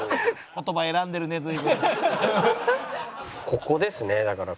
ここですねだから。